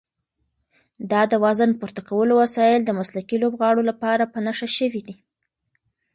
دا د وزن پورته کولو وسایل د مسلکي لوبغاړو لپاره په نښه شوي دي.